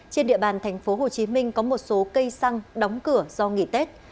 trên địa bàn tp hcm có một số cây xăng đóng cửa do nghỉ tết